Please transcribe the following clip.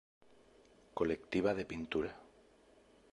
Colectiva de pintura.